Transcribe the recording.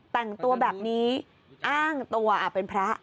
แต่งตัวแบบนี้อ้างตัวเป็นพระ